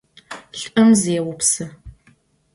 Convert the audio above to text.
Lh'ım zêupsı.